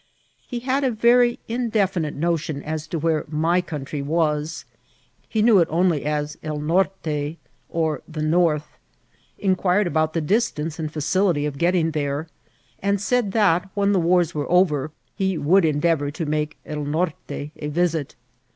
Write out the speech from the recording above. He had a Tery indefinite notion as to where my country was ; he knew it only as El Norte, or the North ; inquired about the distance and facility for getting there, and said that, when the wars were over, he would endeavour to make El Norte a visit.